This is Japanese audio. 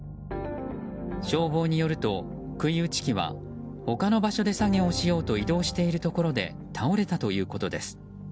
消防によると杭打ち機は他の場所で作業をしようと移動をしているところで倒れたということです。